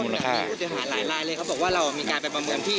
พูดอยู่หาหลายเลยเขาบอกว่าเรามีการไปประเมินที่